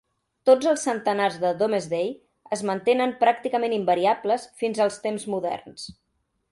Tots els centenars de Domesday es mantenen pràcticament invariables fins als temps moderns.